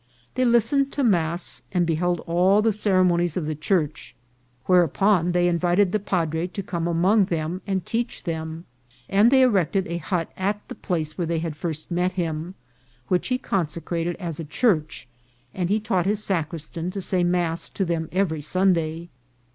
They listened to mass, and beheld all the ceremonies of the Church ; where upon they invited the padre to come among them and teach them, and they erected a hut at the place where they had first met him, which he consecrated as a church ; and he taught his sacristan to say mass to them every Sunday.